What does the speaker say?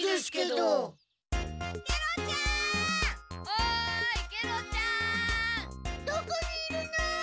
どこにいるの？